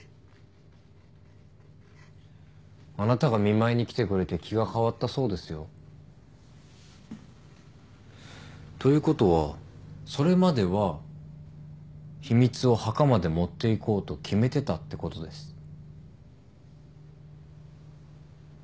あなたが見舞いに来てくれて気が変わったそうですよ。ということはそれまでは秘密を墓まで持っていこうと決めてたってことです。